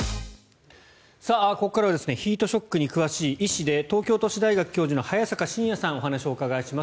ここからはヒートショックに詳しい医師で東京都市大学教授の早坂信哉さんにお話をお伺いします。